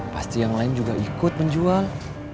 pasti yang lain juga ikut menjual